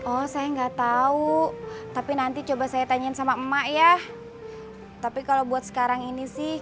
oh saya nggak tahu tapi nanti coba saya tanyain sama emak ya tapi kalau buat sekarang ini sih